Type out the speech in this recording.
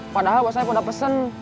padahal bos saeb udah pesen